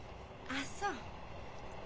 あっそう。